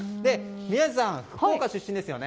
宮司さん、福岡出身ですよね。